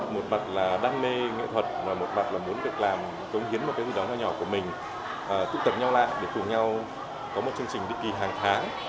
một bậc là đam mê nghệ thuật và một bậc là muốn được làm công hiến một cái gì đó nhỏ của mình tụ tập nhau lại để cùng nhau có một chương trình đích kỳ hàng tháng